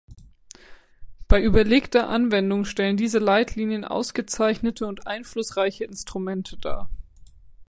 Bei überlegter Anwendung stellen diese Leitlinien ausgezeichnete und einflussreiche Instrumente dar.